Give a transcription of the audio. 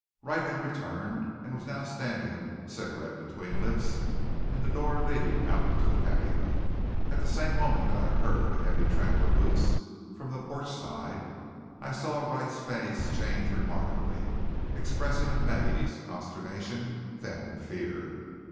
Wright had returned and was now standing, cigarette between lips, in the door leading out to the patio. At the same moment that I heard a heavy tramp of boots, from the porch side I saw Wright's face change remarkably, expressing amaze, consternation, then fear.